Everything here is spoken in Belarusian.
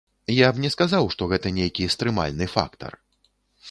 Я б не сказаў, што гэта нейкі стрымальны фактар.